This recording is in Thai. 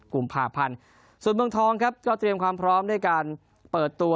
กุมภาพันธ์ส่วนเมืองทองครับก็เตรียมความพร้อมด้วยการเปิดตัว